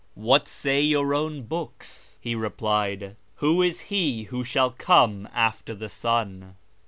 " What say your own books ?" he replied. " Who is He who shall come after the Son